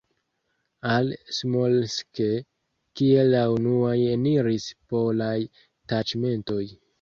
Al Smolensk kiel la unuaj eniris polaj taĉmentoj.